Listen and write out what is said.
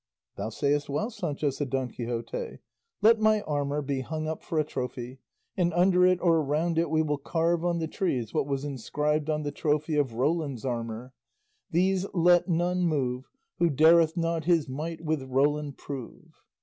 "Thou sayest well, Sancho," said Don Quixote; "let my armour be hung up for a trophy, and under it or round it we will carve on the trees what was inscribed on the trophy of Roland's armour These let none move Who dareth not his might with Roland prove."